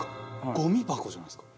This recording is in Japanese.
ゴミ箱じゃないですか？